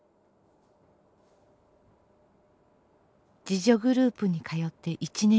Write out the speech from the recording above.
自助グループに通って１年以上。